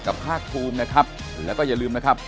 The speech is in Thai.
กับใครคนนู้นคนนี้ดีไปเรื่อยนะครับ